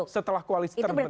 setelah koalisi terbentuk